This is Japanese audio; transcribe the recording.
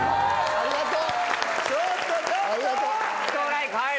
ありがとう。